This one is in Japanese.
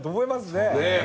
ねえ。